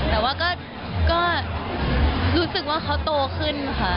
แต่ว่าก็รู้สึกว่าเขาโตขึ้นค่ะ